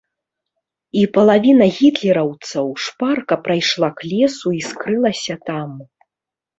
І палавіна гітлераўцаў шпарка прайшла к лесу і скрылася там.